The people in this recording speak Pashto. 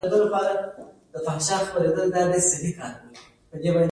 خلک د هغوی د خوب حقيقي بڼه ګوري.